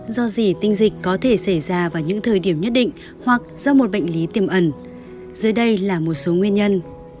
do gì tinh dịch có thể xảy ra vào những thời điểm nhất định hoặc do một bệnh lý tiềm ẩn dưới đây là một số nguyên nhân